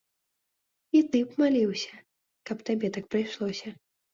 І ты б маліўся, каб табе так прыйшлося.